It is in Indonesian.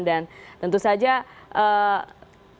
dan tentu saja poin yang saya inginkan